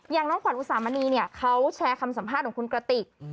น้องขวัญอุสามณีเนี่ยเขาแชร์คำสัมภาษณ์ของคุณกระติก